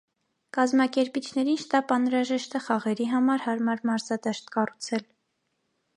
Կազմակերպիչներին շտապ անհրաժեշտ է խաղերի համար հարմար մարզադաշտ կառուցել։